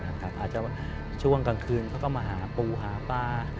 อาจจะช่วงกลางคืนเขาก็มาหาปูหาปลา